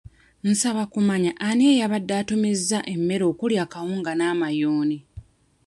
Nsaba kumanya ani eyabadde atumizza emmere okuli akawunga n'amayuuni?